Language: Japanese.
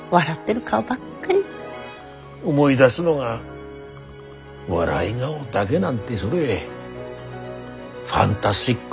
思い出すのが笑い顔だけなんてそれファンタスティックじゃないが。